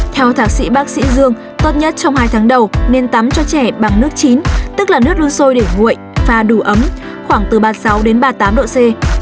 theo thạc sĩ bác sĩ dương tốt nhất trong hai tháng đầu nên tắm cho trẻ bằng nước chín tức là nước russoi để nguội pha đủ ấm khoảng từ ba mươi sáu ba mươi tám độ c